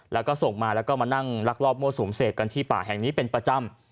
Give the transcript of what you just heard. แล้วก็ส่งมาแล้วก็มานั่งลักลอบมั่วสุมเสพกันที่ป่าแห่งนี้เป็นประจำ